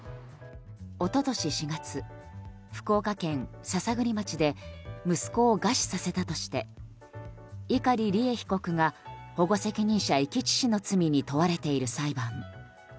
一昨年４月、福岡県篠栗町で息子を餓死させたとして碇利恵被告が保護責任者遺棄致死の罪に問われている裁判。